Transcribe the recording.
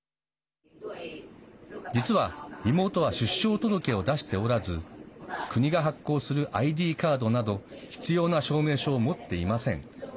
実は妹は出生届を出しておらず国が発行するＩＤカードなど必要な証明書を持っていません。